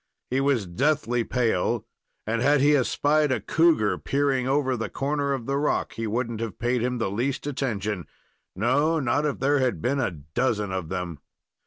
He was deathly pale, and had he espied a cougar peering over the corner of the rock, he would n't have paid him the least attention no, not if there had been a dozen of them!